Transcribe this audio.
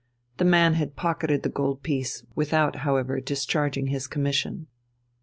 The man had pocketed the gold piece, without, however, discharging his commission.